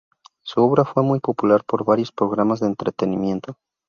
Su obra fue muy popular por varios programas de entretenimiento.